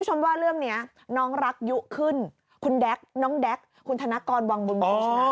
คุณผู้ชมว่าเรื่องนี้น้องรักยุขึ้นคุณแด๊กน้องแด๊กคุณธนกรวังบุญมีชนะ